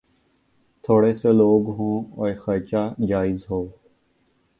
تھوڑے سے لوگ ہوں اور خرچا جائز ہو۔